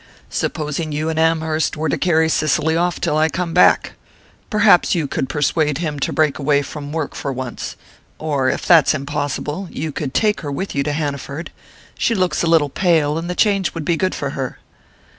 "Supposing you and Amherst were to carry off Cicely till I come back? Perhaps you could persuade him to break away from work for once or, if that's impossible, you could take her with you to Hanaford. She looks a little pale, and the change would be good for her."